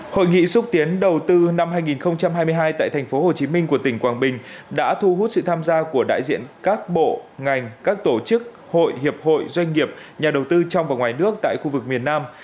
hội nghị xúc tiến đầu tư năm hai nghìn hai mươi hai tại tp hcm của tỉnh quảng bình đã thu hút sự tham gia của đại diện các bộ ngành các tổ chức hội hiệp hội doanh nghiệp nhà đầu tư trong và ngoài nước tại khu vực miền nam